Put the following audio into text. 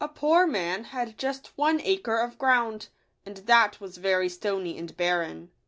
*/«/: Lf POOR man had just one acre of ground, and that was very stony and barren.